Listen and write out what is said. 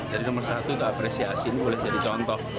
jadi nomor satu itu apresiasi ini boleh jadi contoh